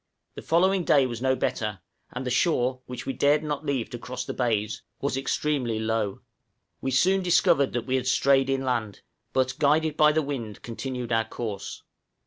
The following day was no better, and the shore, which we dared not leave to cross the bays, was extremely low. {MATTY ISLAND.} We soon discovered that we had strayed inland; but, guided by the wind, continued our course.